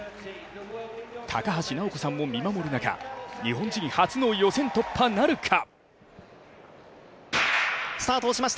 高橋尚子さんも見守る中日本人初の予選突破なるか。